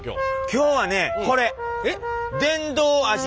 今日はねこれ。